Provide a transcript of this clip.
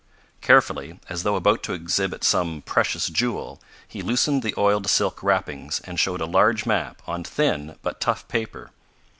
Carefully, as though about to exhibit some, precious jewel, he loosened the oiled silk wrappings and showed a large map, on thin but tough paper.